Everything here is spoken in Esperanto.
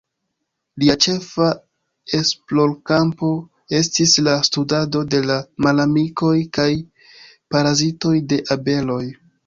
Lia ĉefa esplorkampo estis la studado de la malamikoj kaj parazitoj de abeloj.